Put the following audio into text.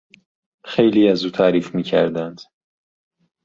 خیلی از او تعریف میکردند.